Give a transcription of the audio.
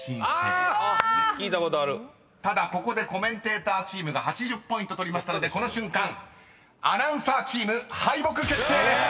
［ただここでコメンテーターチームが８０ポイント取りましたのでこの瞬間アナウンサーチーム敗北決定です］